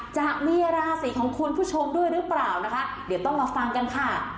จะมีราศีของคุณผู้ชมด้วยหรือเปล่านะคะเดี๋ยวต้องมาฟังกันค่ะ